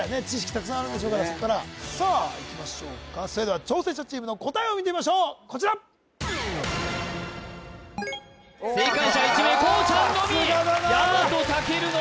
たくさんあるんでしょうからそこからさあいきましょうかそれでは挑戦者チームの答えを見てみましょうこちら正解者１名こうちゃんのみさすがだな日本武尊